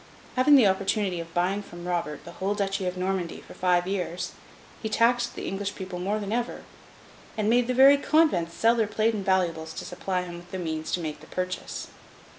Having the opportunity of buying from Robert the whole duchy of Normandy for five years, he taxed the English people more than ever, and made the very convents sell their plate and valuables to supply him with the means to make the purchase.